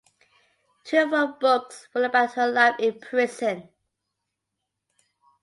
Two of her books were about her life in prison.